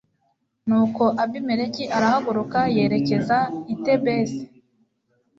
nuko abimeleki arahaguruka yerekeza i tebesi